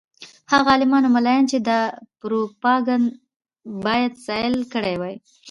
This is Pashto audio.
هغه عالمان او ملایان چې دا پروپاګند باید زایل کړی وای.